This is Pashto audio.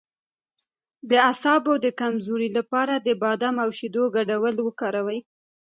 د اعصابو د کمزوری لپاره د بادام او شیدو ګډول وکاروئ